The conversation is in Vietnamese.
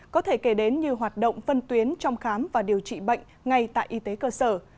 có thể kể đến như hoạt động phân tuyến trong khám và điều trị bệnh ngay tại y tế cơ sở